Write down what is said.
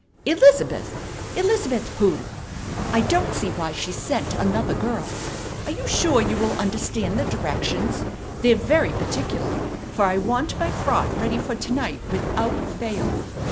"Elizabeth? Elizabeth who? I don't see why she sent another girl. Are you sure you will understand the directions? They're very particular, for I want my frock ready for to night without fail."